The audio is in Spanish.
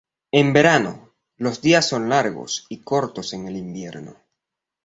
En verano, los días son largos y cortos en el invierno.